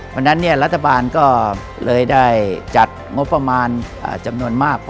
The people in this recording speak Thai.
เพราะฉะนั้นรัฐบาลก็เลยได้จัดงบประมาณจำนวนมาก